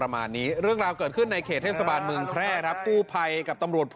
ไม่เป็นไรรอให้ตายก็ก่อน